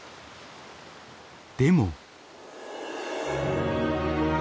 でも。